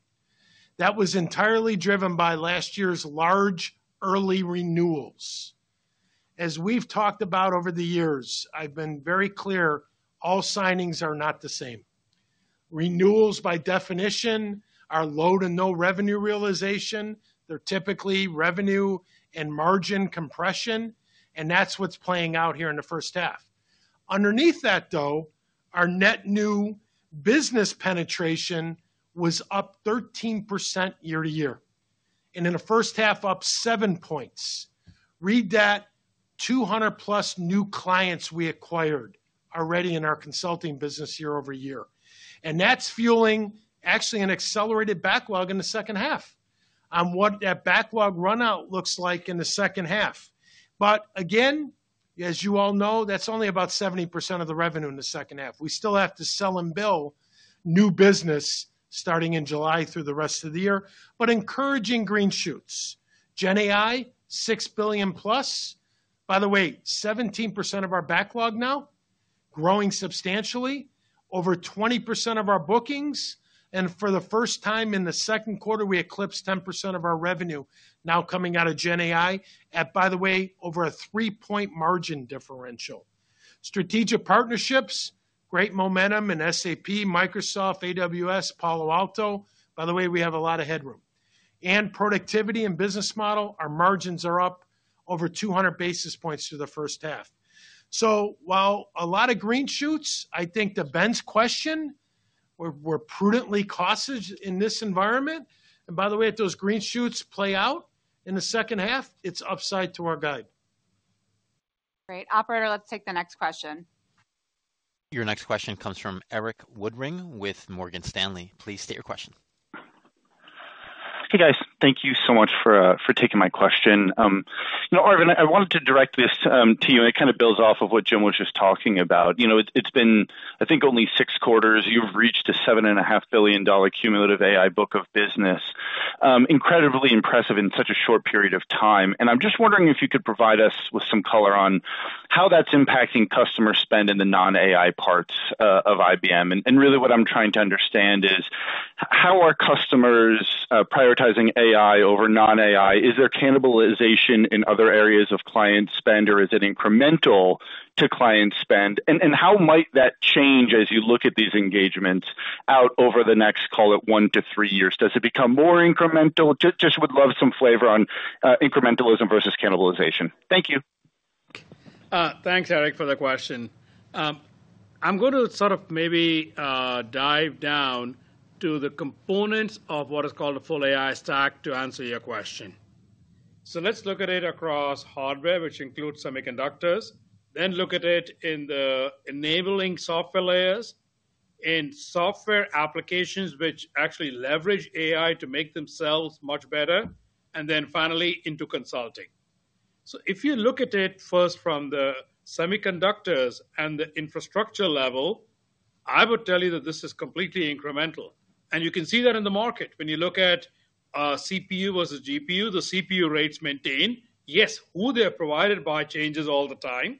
That was entirely driven by last year's large early renewals. As we have talked about over the years, I have been very clear, all signings are not the same. Renewals by definition are low to no revenue realization. They are typically revenue and margin compression, and that is what is playing out here in the first half. Underneath that, though, our net new business penetration was up 13% year to year, and in the first half, up seven points. Read that 200+ new clients we acquired already in our consulting business year over year. That is fueling actually an accelerated backlog in the second half on what that backlog runout looks like in the second half. Again, as you all know, that is only about 70% of the revenue in the second half. We still have to sell and bill new business starting in July through the rest of the year, but encouraging green shoots. GenAI, $6 billion plus. By the way, 17% of our backlog now, growing substantially. Over 20% of our bookings. For the first time in the second quarter, we eclipsed 10% of our revenue now coming out of GenAI at, by the way, over a three-point margin differential. Strategic partnerships, great momentum in SAP, Microsoft, AWS, Palo Alto. By the way, we have a lot of headroom. In productivity and business model, our margins are up over 200 basis points through the first half. While a lot of green shoots, I think to Ben's question, we're prudently cautious in this environment. By the way, if those green shoots play out in the second half, it's upside to our guide. Great. Operator, let's take the next question. Your next question comes from Erik Woodring with Morgan Stanley. Please state your question. Hey, guys. Thank you so much for taking my question. You know, Arvind, I wanted to direct this to you, and it kind of builds off of what Jim was just talking about. You know, it's been, I think, only six quarters. You've reached a $7.5 billion cumulative AI book of business. Incredibly impressive in such a short period of time. I'm just wondering if you could provide us with some color on how that's impacting customer spend in the non-AI parts of IBM. What I'm trying to understand is how are customers prioritizing AI over non-AI? Is there cannibalization in other areas of client spend, or is it incremental to client spend? How might that change as you look at these engagements out over the next, call it, one to three years? Does it become more incremental? Just would love some flavor on incrementalism versus cannibalization. Thank you. Thanks, Eric, for the question. I'm going to sort of maybe dive down to the components of what is called a full AI stack to answer your question. Let's look at it across hardware, which includes semiconductors, then look at it in the enabling software layers, in software applications which actually leverage AI to make themselves much better, and then finally into consulting. If you look at it first from the semiconductors and the infrastructure level, I would tell you that this is completely incremental. You can see that in the market. When you look at CPU versus GPU, the CPU rates maintain. Yes, who they're provided by changes all the time,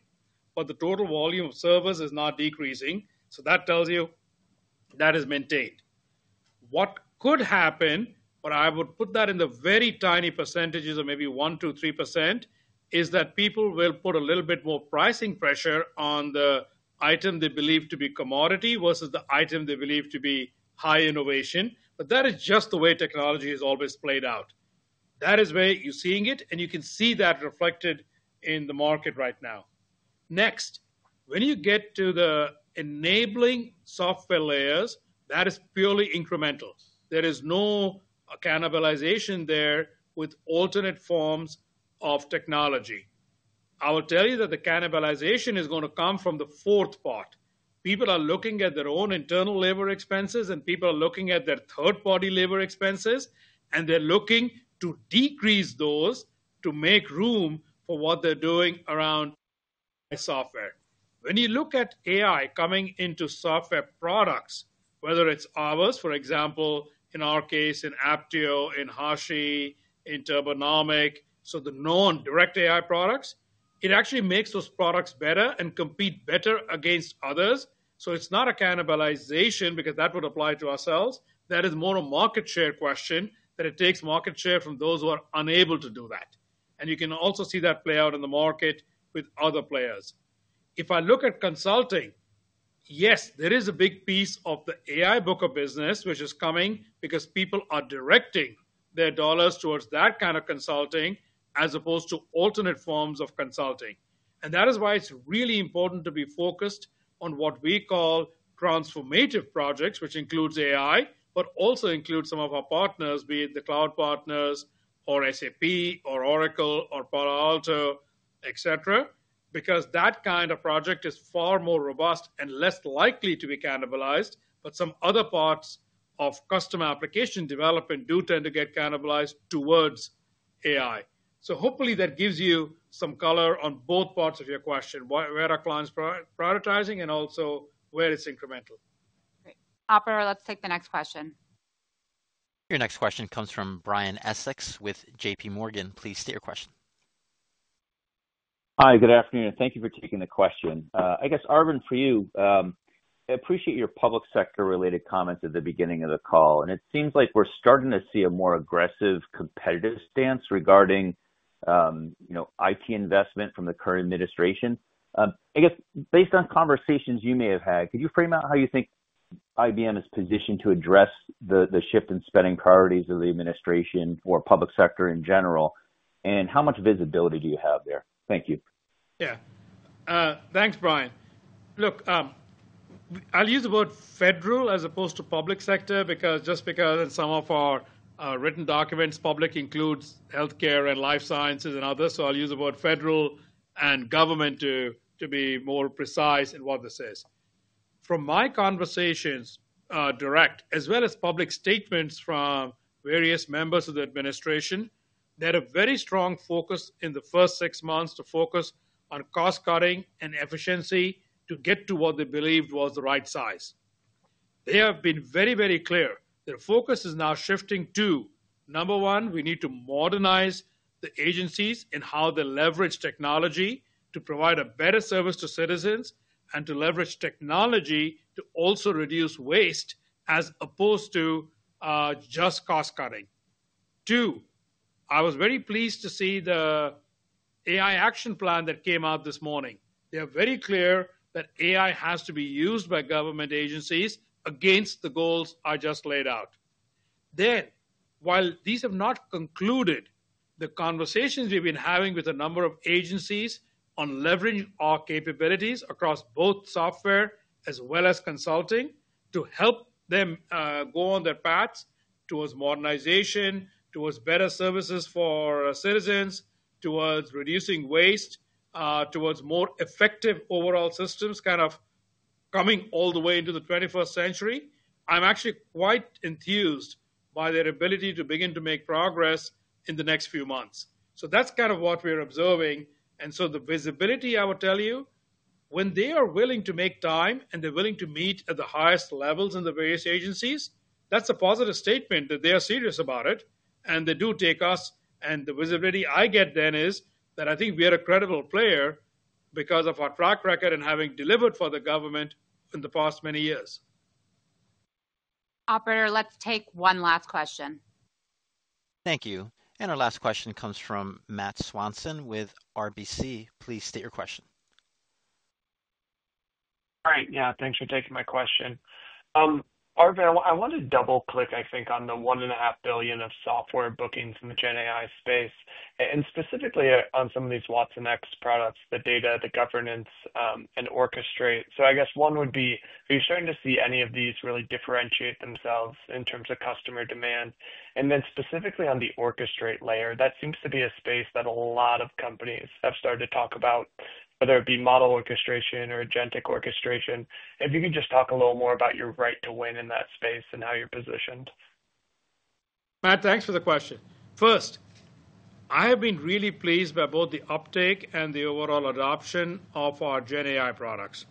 but the total volume of servers is not decreasing. That tells you that is maintained. What could happen, but I would put that in the very tiny percentages of maybe 1%-3%, is that people will put a little bit more pricing pressure on the item they believe to be commodity versus the item they believe to be high innovation. That is just the way technology has always played out. That is where you're seeing it, and you can see that reflected in the market right now. Next, when you get to the enabling software layers, that is purely incremental. There is no cannibalization there with alternate forms of technology. I will tell you that the cannibalization is going to come from the fourth part. People are looking at their own internal labor expenses, and people are looking at their third-party labor expenses, and they're looking to decrease those to make room for what they're doing around software. When you look at AI coming into software products, whether it's ours, for example, in our case, in Apptio, in HashiCorp, in Turbonomic, so the known direct AI products, it actually makes those products better and compete better against others. It is not a cannibalization because that would apply to ourselves. That is more a market share question that it takes market share from those who are unable to do that. You can also see that play out in the market with other players. If I look at consulting, yes, there is a big piece of the AI book of business which is coming because people are directing their dollars towards that kind of consulting as opposed to alternate forms of consulting. That is why it's really important to be focused on what we call transformative projects, which includes AI, but also includes some of our partners, be it the cloud partners or SAP or Oracle or Palo Alto, et cetera, because that kind of project is far more robust and less likely to be cannibalized. Some other parts of customer application development do tend to get cannibalized towards AI. Hopefully, that gives you some color on both parts of your question, where are clients prioritizing and also where it's incremental. Great. Operator, let's take the next question. Your next question comes from Brian Essex with JPMorgan. Please state your question. Hi, good afternoon. Thank you for taking the question. I guess, Arvind, for you, I appreciate your public sector-related comments at the beginning of the call. It seems like we're starting to see a more aggressive competitive stance regarding IT investment from the current administration. I guess, based on conversations you may have had, could you frame out how you think IBM is positioned to address the shift in spending priorities of the administration or public sector in general, and how much visibility do you have there? Thank you. Yeah. Thanks, Brian. Look, I'll use the word federal as opposed to public sector just because in some of our written documents, public includes healthcare and life sciences and others. I'll use the word federal and government to be more precise in what this is. From my conversations direct, as well as public statements from various members of the administration, they had a very strong focus in the first six months to focus on cost-cutting and efficiency to get to what they believed was the right size. They have been very, very clear. Their focus is now shifting to, number one, we need to modernize the agencies in how they leverage technology to provide a better service to citizens and to leverage technology to also reduce waste as opposed to just cost-cutting. Two, I was very pleased to see the AI action plan that came out this morning. They are very clear that AI has to be used by government agencies against the goals I just laid out. While these have not concluded, the conversations we've been having with a number of agencies on leveraging our capabilities across both software as well as consulting to help them go on their paths towards modernization, towards better services for citizens, towards reducing waste, towards more effective overall systems kind of coming all the way into the 21st century, I'm actually quite enthused by their ability to begin to make progress in the next few months. That's kind of what we're observing. The visibility, I would tell you, when they are willing to make time and they're willing to meet at the highest levels in the various agencies, that's a positive statement that they are serious about it and they do take us. The visibility I get then is that I think we are a credible player because of our track record and having delivered for the government in the past many years. Operator, let's take one last question. Thank you. Our last question comes from Matt Swanson with RBC. Please state your question. All right. Yeah, thanks for taking my question. Arvind, I want to double-click, I think, on the $1.5 billion of software bookings in the GenAI space and specifically on some of these Watsonx products, the data, the governance, and Orchestrate. I guess one would be, are you starting to see any of these really differentiate themselves in terms of customer demand? Then specifically on the Orchestrate layer, that seems to be a space that a lot of companies have started to talk about, whether it be model orchestration or agentic orchestration. If you could just talk a little more about your right to win in that space and how you're positioned. Matt, thanks for the question. First, I have been really pleased by both the uptake and the overall adoption of our GenAI products.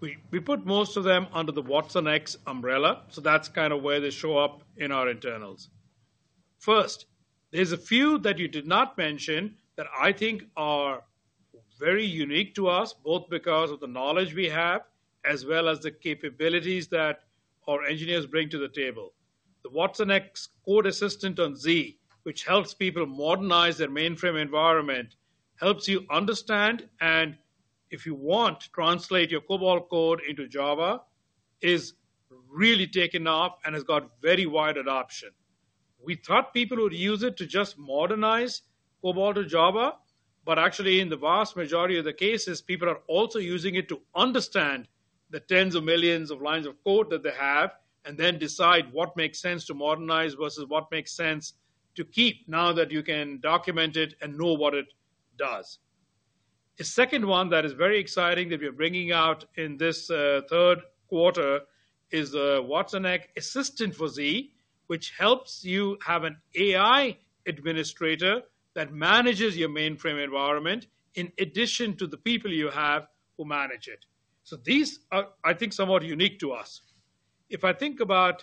We put most of them under the Watsonx umbrella, so that's kind of where they show up in our internals. First, there's a few that you did not mention that I think are very unique to us, both because of the knowledge we have as well as the capabilities that our engineers bring to the table. The Watsonx Code Assistant for Z, which helps people modernize their mainframe environment, helps you understand, and if you want, translate your COBOL code into Java, is really taken off and has got very wide adoption. We thought people would use it to just modernize COBOL to Java, but actually, in the vast majority of the cases, people are also using it to understand the tens of millions of lines of code that they have and then decide what makes sense to modernize versus what makes sense to keep now that you can document it and know what it does. A second one that is very exciting that we are bringing out in this third quarter is the Watsonx Assistant for Z, which helps you have an AI administrator that manages your mainframe environment in addition to the people you have who manage it. These are, I think, somewhat unique to us. If I think about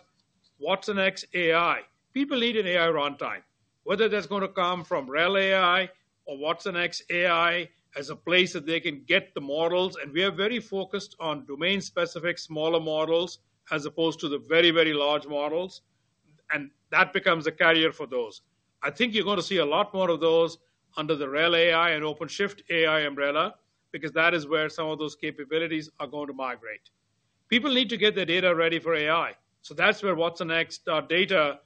watsonx.ai, people need an AI runtime, whether that's going to come from Red Hat AI or watsonx.ai as a place that they can get the models. We are very focused on domain-specific smaller models as opposed to the very, very large models, and that becomes a carrier for those. I think you're going to see a lot more of those under the Red Hat AI and OpenShift AI umbrella because that is where some of those capabilities are going to migrate. People need to get their data ready for AI. That's where Watsonx.data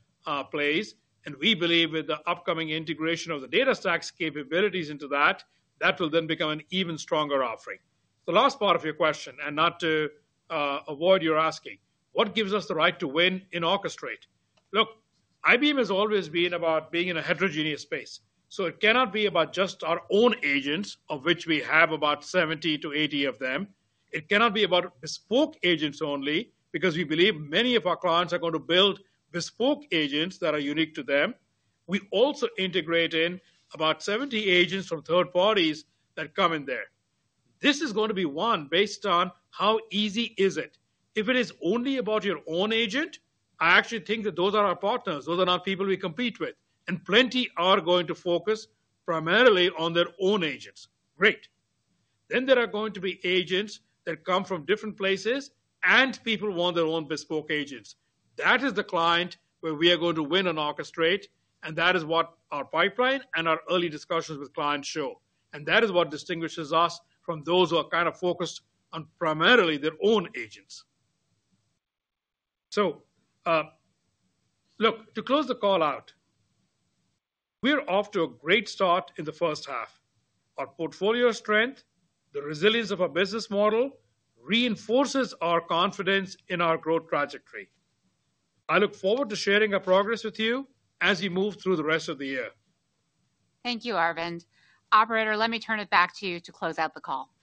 plays. We believe with the upcoming integration of the DataStax capabilities into that, that will then become an even stronger offering. The last part of your question, and not to avoid your asking, what gives us the right to win in Orchestrate? Look, IBM has always been about being in a heterogeneous space. It cannot be about just our own agents, of which we have about 70-80 of them. It cannot be about bespoke agents only because we believe many of our clients are going to build bespoke agents that are unique to them. We also integrate in about 70 agents from third parties that come in there. This is going to be one based on how easy is it. If it is only about your own agent, I actually think that those are our partners. Those are not people we compete with. Plenty are going to focus primarily on their own agents. Great. There are going to be agents that come from different places, and people want their own bespoke agents. That is the client where we are going to win on Orchestrate, and that is what our pipeline and our early discussions with clients show. That is what distinguishes us from those who are kind of focused on primarily their own agents. To close the call out, we are off to a great start in the first half. Our portfolio strength, the resilience of our business model, reinforces our confidence in our growth trajectory. I look forward to sharing our progress with you as we move through the rest of the year. Thank you, Arvind. Operator, let me turn it back to you to close out the call.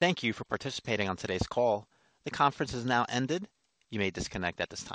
Thank you for participating on today's call. The conference has now ended. You may disconnect at this time.